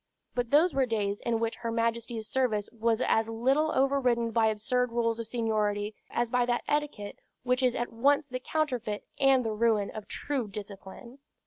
But those were days in which her Majesty's service was as little overridden by absurd rules of seniority as by that etiquette which is at once the counterfeit and the ruin of true discipline.